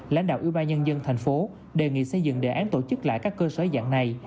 lãnh đạo ủy ban nhân dân thành phố đề nghị xây dựng đề án tổ chức lại các cơ sở dạng này